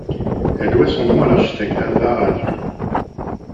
Elle doit son nom à l'architecte Alvar Aalto.